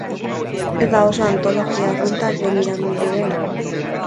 Ez da oso antologia arrunta Jon Miranderen hau.